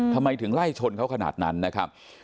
ทำไมถึงไล่ชนเขาขนาดนั้นนะครับ